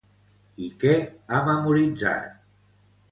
I què ha memoritzat?